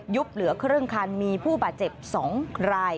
เหลือครึ่งคันมีผู้บาดเจ็บ๒ราย